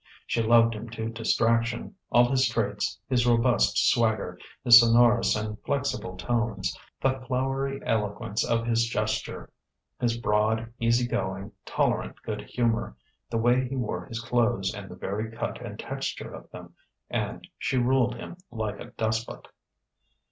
She loved him to distraction: all his traits, his robust swagger, his sonorous and flexible tones, the flowery eloquence of his gesture, his broad, easy going, tolerant good humour, the way he wore his clothes and the very cut and texture of them. And she ruled him like a despot.